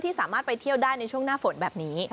สามารถไปเที่ยวได้ในช่วงหน้าฝนแบบนี้